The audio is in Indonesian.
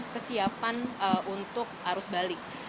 kesiapan untuk arus balik